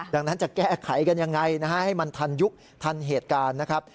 ดังนั้นจะแก้ไขกันยังไงนะฮะให้มันทันยุคทันเหตุการณ์นะครับ